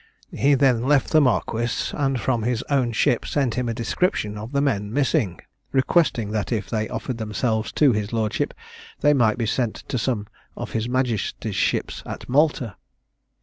He then left the marquis, and from his own ship sent him a description of the men missing, requesting that if they offered themselves to his lordship, they might be sent to some of his majesty's ships at Malta.